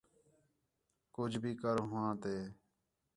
کُج بھی کر ہوآں تے